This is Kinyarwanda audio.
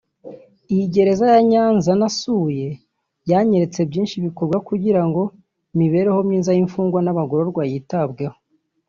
« Iyi gereza ya Nyanza nasuye yanyeretse byinshi bikorwa kugira ngo imibereho myiza y’imfungwa n’abagororwa yitabweho»